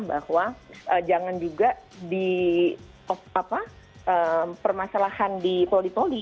bahwa jangan juga di permasalahan di poli poli